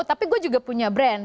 tapi gue juga punya brand